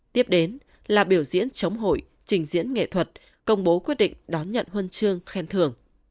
tiếp đến là biểu diễn chống hội trình diễn nghệ thuật công bố quyết định đón nhận huân chương khen thưởng